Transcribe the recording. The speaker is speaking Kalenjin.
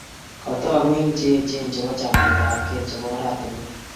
Kotogu eng cheechen chebo chametabkei chebo oratinwek